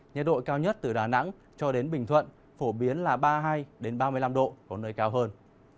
nhiệt độ cao nhất từ đà nẵng cho đến bình thuận phổ biến là ba mươi hai ba mươi năm độ có nơi cao hơn